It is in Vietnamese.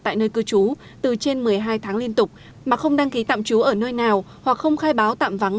tại nơi cư trú từ trên một mươi hai tháng liên tục mà không đăng ký tạm trú ở nơi nào hoặc không khai báo tạm vắng